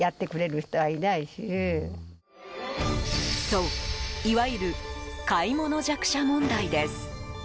そういわゆる買い物弱者問題です。